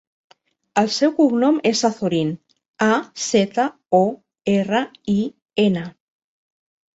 El seu cognom és Azorin: a, zeta, o, erra, i, ena.